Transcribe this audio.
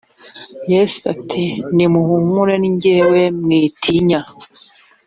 yezu ati:nimuhumure ni jyewe mwitinya